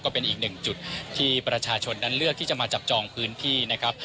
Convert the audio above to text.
เป็นอีกหนึ่งจุดที่ประชาชนนั้นเลือกที่จะมาจับจองพื้นที่นะครับ